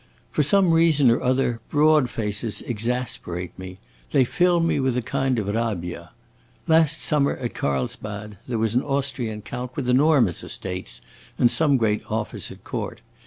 For some reason or other, broad faces exasperate me; they fill me with a kind of rabbia. Last summer, at Carlsbad, there was an Austrian count, with enormous estates and some great office at court.